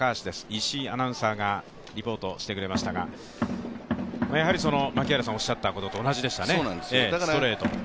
石井アナウンサーがリポートしてくれましたがやはり槙原さんおっしゃったことと同じでしたね、ストレート。